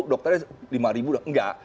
dokternya rp lima enggak